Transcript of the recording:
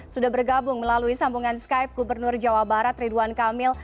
sudah bergabung melalui sambungan skype gubernur jawa barat ridwan kamil